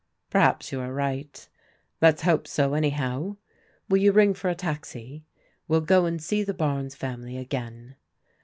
" Perhaps you are right. Let's hope so anyhow. Will you ring for a taxi ? We'll go and see the Bames family again."